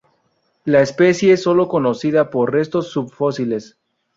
La especie es sólo conocida por restos subfósiles.